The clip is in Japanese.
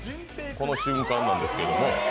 この瞬間なんですけども。